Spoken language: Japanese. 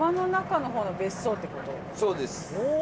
そうです。